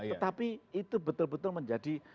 tetapi itu betul betul menjadi